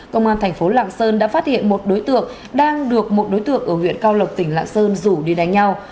công an thành phố lạng sơn đã phát hiện một đối tượng đang được một đối tượng ở huyện cao lộc tỉnh lạng sơn rủ đi đánh nhau